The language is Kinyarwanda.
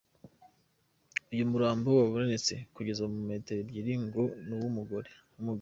Uyu murambo wabonetse bageze muri metero ebyiri ngo ni uw’ umugabo.